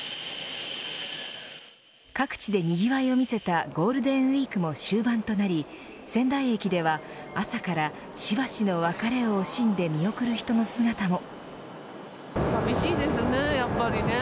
各地でにぎわいを見せたゴールデンウイークも終盤となり仙台駅では朝からしばしの別れを惜しんで見送る人の姿も。